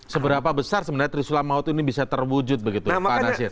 seberapa besar sebenarnya trisula maut ini bisa terwujud begitu pak nasir